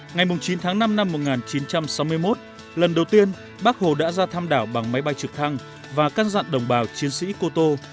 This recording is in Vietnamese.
ngày chín tháng năm năm một nghìn chín trăm sáu mươi một lần đầu tiên bác hồ đã ra thăm đảo bằng máy bay trực thăng và căn dặn đồng bào chiến sĩ cô tô